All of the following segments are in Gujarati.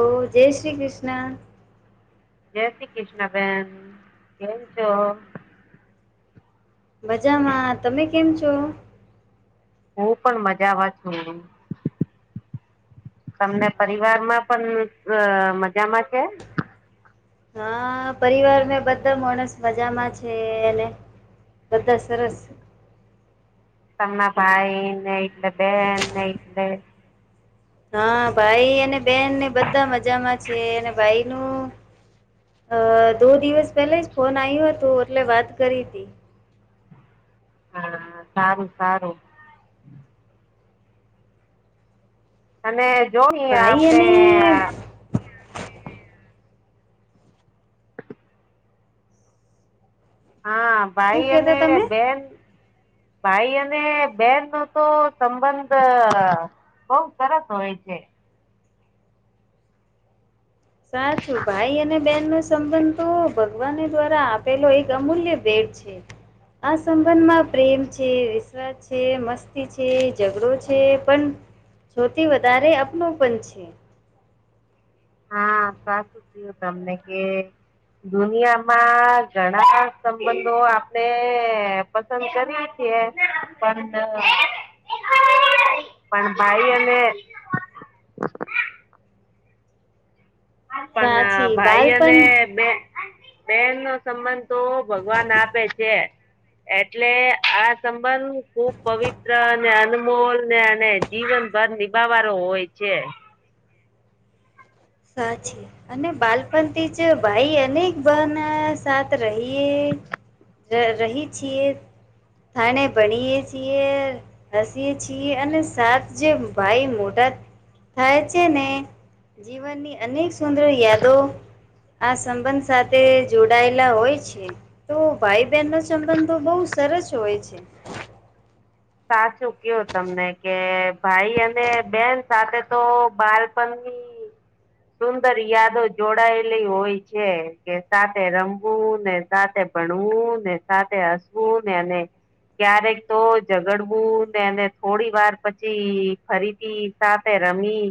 ઓ જય શ્રી કૃષ્ણ. જય શ્રી કૃષ્ણબેન કેમ છો? મજામાં. તમે કેમ છો? હું પણ મજામાં છે. તમને પરિવાર માં પણ મજામાં છે. હા પરિવાર ને બધા માણસ મજામાં છે એને? બધા સરસ. તમના ભાઈ ને એટલે બેન ને એટલે હા ભાઈ અને બેનને બધા મજામાં છે અને ભાઈ નું અ દો દિવસ પહેલા જ ફોન આવ્યો હતું એટલે વાત કરી હતી હા. સારું સારું. અને જોને ભાઈ આપણે અને હા શું ભાઈ અને કેતા તમે? બેન. ભાઈ અને બેન નો તો સંબંધ બઉ સરસ હોય છે. સાચું ભાઈ અને બેહેન નો સંબંધ તો ભગવાન દ્વારા આપેલો એક અમૂલ્ય બેટ છે. આ સંબંધમાં પ્રેમ છે વિશ્વાસ છે મસ્તી છે ઝઘડો છે પણ સૌથી વધારે અપનપન છે. હા સાચું થયું તમને કે દુનિયામાં ઘણાય સંબંધો આપણે પસંદ કરીએ છીએ પણ [unintelligible] [inaudible] પણ ભાઈ અને પણ સાચી ભાઈ બાલપણ અને બે બેનનો સંબંધ તો ભગવાન આપે છે. એટલે આ સંબંધ ખુબ પવિત્ર અને અનમોલને અને જીવનભર નિભાવારો હોય છે. સાચી અને બાલપણથી જ ભાઈ એને બને સાથ રહીએ રહી છીએ. થાણે ભણયે છીએ. હસીએ છીએ અને સાત જે ભાઈ મોટા થાય છેને જીવનની અનેક સુંદર યાદો આ સંબંધ સાથે જોડાયેલા હોય છે. તો ભાઈ બહેનનો સંબંધો બઉ સરસ હોય છે. સાચું કેવો તમે કે ભાઈ અને બેન સાથે તો બાળપણ ની [inaudible] સુંદર યાદો જોડાયેલી હોય છે કે સાથે રમવું ને સાથે ભણવું ને સાથે હસવું ને અને ક્યારેક તો ઝગડવું ને અને થોડી વાર પછી ફરીથી સાથે રમી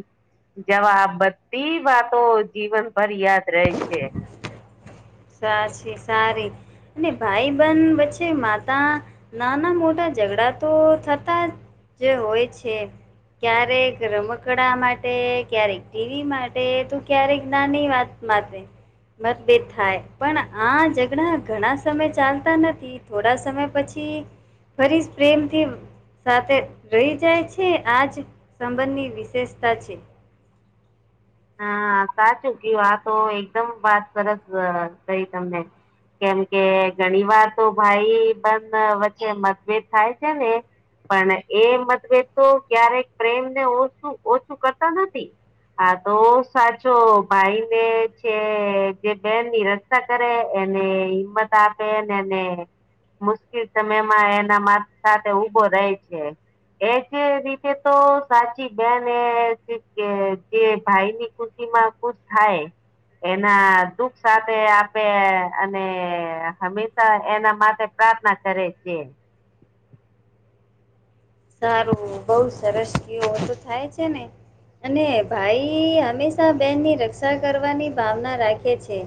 જવાબ બધી વાતો જીવન ભર યાદ રહે છે. સાચી, સારી અને ભાઈ બેન વચ્ચે માતા નાના મોટા ઝઘડા તો થતા જ હોય છે. ક્યારેક રમકડા માટે, ક્યારેક ટીવી માટે તો ક્યારેક નાની વાત માટે મતભેદ થાય. પણ આ ઝઘડા ઘણા સમય ચાલતા નથી થોડા સમય પછી ફરી પ્રેમથી સાથે રહી જાય છે આજ સંબંધની વિશેષતા છે. હા, સાચું કેવો આતો એકદમ વાત સરસ કઈ તમે. કેમ કે ઘણી વાર તો ભાઈ બેન વચ્ચે મતભેદ થાય છેને. પણ એ મતભેદ તો ક્યારેક પ્રેમને ઓછુ ઓછું કરતા નથી. હા તો સાચો ભાઈને છે જે બેનની રક્ષા કરે એને હિંમત આપે ને ને મુશ્કેલ સમયમાં એના મા સાથે ઉભો રહેે છે. એજ રીતે તો સાચી બેન એજ કે જે ભાઈની ખુશીમાં ખુશ થાય. એના દુખ સાથે આપે અને હંમેશા એના માટે પ્રાર્થના કરે છે. સારું, બઉ સરસ કેવું તો થાય છેને અને ભાઈ હંમેશા બેનની રક્ષા કરવાની ભાવના રાખે છે.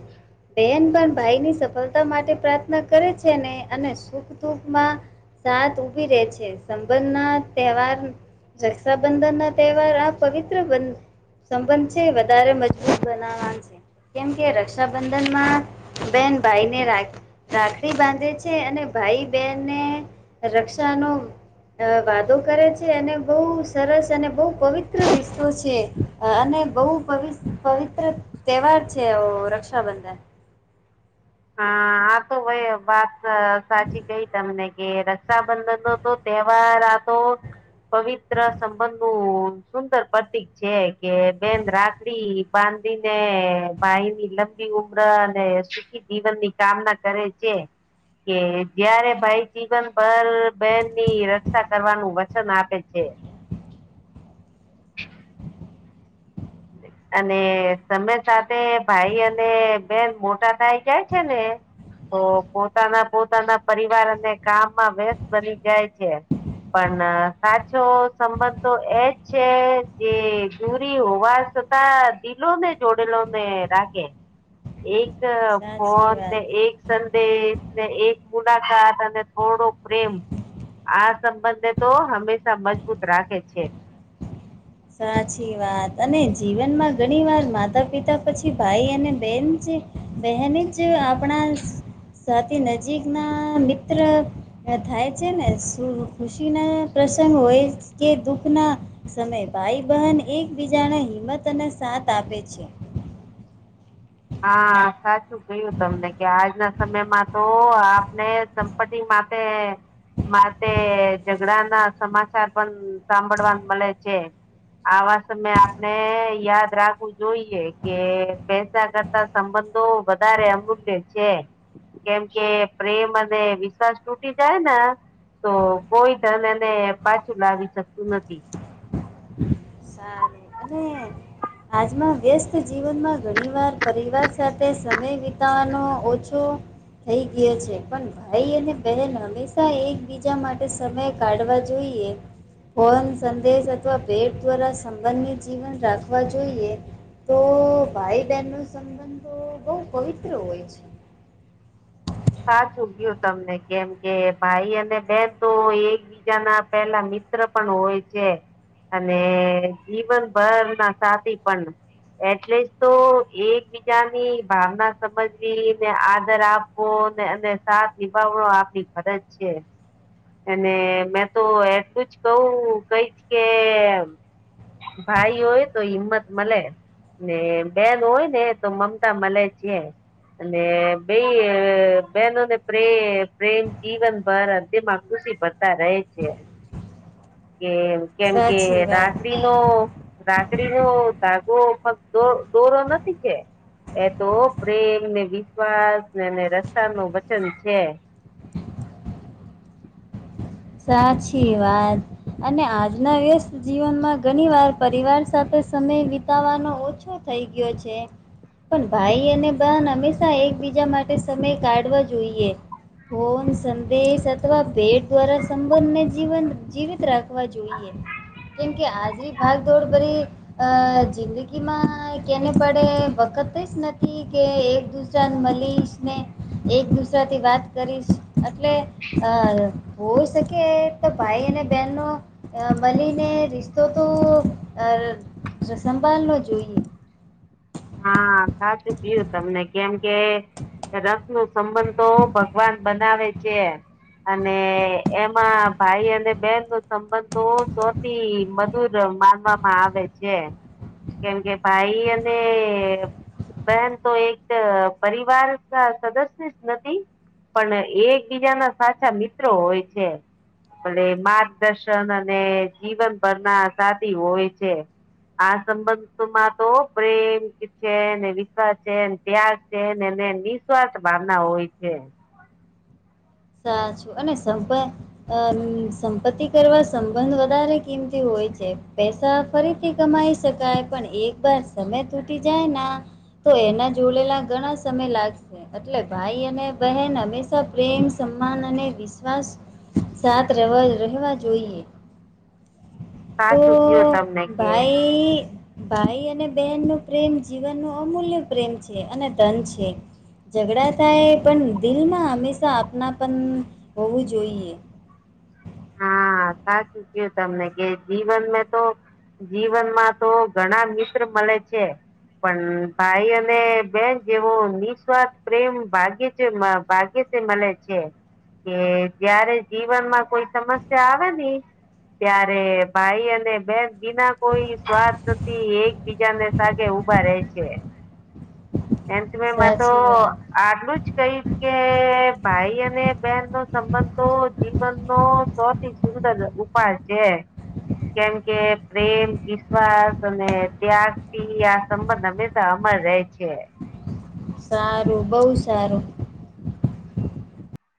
બેન પણ ભાઈની સફળતા માટે પ્રાર્થના કરે છેને અને સુખ દુખમાં સાત ઊભી રે છે. સબંધ ના તહેવાર રક્ષાબંધન ના તહેવાર આ પવિત્ર બધ સંબંધ છે વધારે મજબૂત બનાવવાનું છે. કેમ કે, રક્ષાબંધનમાં બેન ભાઈને રા રાખડી બાંધે છે અને ભાઈ બહેનને રક્ષાનો અ વાદો કરે છે અને બો સરસ અને બો પવિત્ર રીસ્તો છે. અને બઉ પવિ પવિત્ર તહેવાર છે અ રક્ષાબંધન. હા. આતો ભાઈ વાત સાચી કઈ તમને કે રક્ષાબંધનનો તો તહેવાર આતો પવિત્ર સંબંધનું સુંદર પ્રતીક છે કે બેન રાખડી બાંધીને ભાઈ ની લંબી ઉમરઅ અને સુખી જીવન ની કામના કરે છે. કે જયારે ભાઈ જીવન ભર બેહેનની રક્ષા કરવાનું વચન આપે છે. અને તમે સાથે ભાઈ અને બેન મોટા થઇ જાય છે ને. તો પોતાના પોતાના પરિવાર અને કામમાં વ્યસ્ત બની જાય છે. પણ સાચો સંબંધ તો એજ છે જે દૂરી હોવા છતા દિલો ને જોડેલો ને રાખે એક સાચી વાત. ફોનને એક સંદેશ ને એક મુલાકાત અને થોડો પ્રેમ આ સંબંધને તો હંમેશા મજબૂત રાખે છે સાચી વાત અને જીવનમાં ઘણી વાર માતા પિતા પછી ભાઈ અને બેન છે બહેન જ આપણા સાથી નજીક ના મિત્ર થાય છે ને ખુશી ના પ્રસંગ હોય કે દુઃખના સમય ભાઈ બહેન એકબીજાને હિંમત અને સાથ આપે છે હા સાચું કયું તમને કે આજના સમયમાં તો આપને દંપતિ માથે માટે ઝઘડા ના સમાચાર પણ સાંભળવાન મળે છે આવા સમય આપણે યાદ રાખવું જોઈએ કે પૈસા કર સંબંધો વધારે અમૂલ્ય છે કેમ કે પ્રેમ અને વિશ્વાસ તૂટી જાય ને તો કોઈ ધન એને પાછું લાવી શકતું નથી સારું અને આાજમાં વસ્ટ જીવનમાં ઘણી વાર પરિવાર સાથે સમય વિતાવાનો ઓછો થઈ ગયો છે પણ ભાઈ અને બહેન હંમેશા એકબીજા માટે સમય કાઢવા જોઈએ ફોન સંદેશ અથવા ભેટ દ્વારા સંબંધની જીવન રાખવા જોઈએ તો ભાઈ બહેનનું તો બહુ પવિત્ર હોય છે સાચું ગયું તમને કેમ કે ભાઈ અને બેન તો એક બીજા ના પેલા મિત્ર પણ હોય છે અને જીવનભર ના સાથી પણ એટલે જ તો એકબીજાની ભાવના સમજવી ને આધર આપ અને સાથ નિભાવો આપણી ફરજ છે અને મેં તો એટલું જ કહું કઈ કે ભાઈ હોય તો હિંમત મળે ને બેન હોય ને તો મમતા મલે છે અને બેઈ બહેનોને પ્રે પ્રેમ જીવન ભરણ તેમાં ખુશી ભરતા રહે છે કે કેમ કે સાચી રા વાત નો રાકડીનોો ધાગોક્ દોરો નથી કે એ તો પ્રેમ ને વિશ્વાસ ને ને રસ્ ન વચન છે સાચી વાત અને આજના વ્યસ્ત જીવનમાં ઘણી વાર પરિવાર સાથે સમય વિત તવાનો ઓછો થઈ ગયો છે પણ ભાઈ અને બહેન હંમેશા એકબીજા માટે સમય કાઢવા જોઈએ ફોન સંદેશેશ અથવા ભેટ્વાર સંબંધને જીવન જીવિત રાખવા જોઈએ કેમકે આજરી ભાગદોડ ભરી અ જિંદગી માં કેને પડે વખત જ નથી કે એક દ નંદ મળીશ ને, એક દુસરા થી વાત કરીશ એટલે હ હોય શકે તો ભાઈ અને બેન ન અ મળલીને રિશ્તો તો સંભાળ નો જોઈએ. હા ખાસું પીયું તમને કેમ કે રથ નું સંબંધ તો ભગવાન બનાવે છે. અને એમાં ભાઈ અને બેન નો સંબંધ મધુર માનવામાં આવે છે, કેમ કે ભાઈ અને બહેન તો એક પરિવાર ના સદસ્ય જ નથી. પણ એકબીજા ના સાચા મિત્રો હોય છે. એટલે માર્ગદર્શન અને જીવનભરના સાથી હોય છે. આ સંબંધો માં તો પ્રેમ- વિશ્વાસ છે, ત્યાગ છેને એને નિસ્વાર્થ મા ના હોય છે. સાચું અને સંભય સંપત્તિ કરવા સંબંધ વધારે કિમતી હોય છે પૈસા ફરીથી કમાઈ શકાય પણ એક વાર સમય તૂટી જાયના તો એના જોડેલા ઘણા સમય લાગશે એટલે ભાઈ અને બહેન હમેશા પ્રેમ સમાન અને વિશ્વાસ સાથ રહે રહેવા જોઈએ. તો સાચું કયું તમને કે ભાઈ ભાઈ અને બહેનનો પ્રેમ જીવન ન અમૂલ્ય પ્રેમ છે અને ધન છે. ઝઘડા થાય પણ દિલમાં હંમેશા આપનાપન હોવું જોઈએ. હા સાચુ ક્યું તમને કે જીવન મે તો જીવનમાં તો ઘણા મિત્ર મળે છે. પણ ભાઈ અને બેન જેવો નિસ્વાર્થ પ્રેમ ભાગે છે, ભાગે મળે છે કે જયારે જીવનમાં કોઈ સમસ્યા આવે ની ત્યારે ભાઈ અને બેન બિના કોઈ સ્વાર્થથી એકબીજાને સાગે ઉભા રહેે છે. એન્થ મે મા તો સાચી વાત આટલું જ કહીશ કે ભાઈ અને બેનનો સંબંધ તો જીવનનો સૌથી સુંદર ઉપાય છે. કેમ કે પ્રેમ વિશ્વાસ અને ત્યાથી આ સંબંધ હમેશા અમર રહે છે. સારું બઉ સારું.